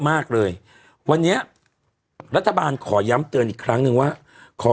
มากเลยวันนี้รัฐบาลขอย้ำเตือนอีกครั้งหนึ่งว่าขอ